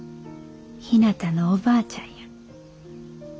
ひなたのおばあちゃんや。